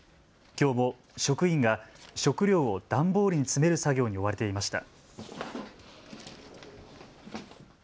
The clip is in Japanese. きょうも職員が食料を段ボールに詰める作業に追われていました。